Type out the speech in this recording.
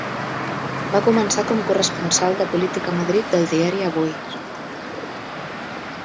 Va començar com corresponsal de política a Madrid del diari Avui.